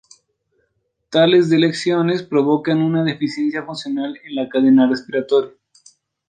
Tales deleciones provocan una deficiencia funcional en la cadena respiratoria.